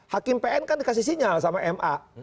hakim pn kan dikasih sinyal sama ma